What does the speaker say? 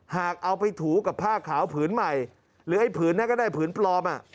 หากเอาไปถูกับผ้าขาวผืนใหม่หรือไอ้ผืนนั้นก็ได้ผืนปลอม